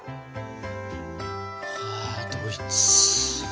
あドイツ。